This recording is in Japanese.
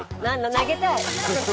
投げたい。